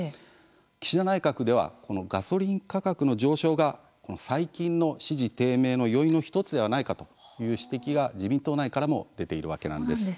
岸田内閣ではガソリン価格の上昇が最近の支持低迷の要因の１つではないかという指摘が自民党内からも出ているんです。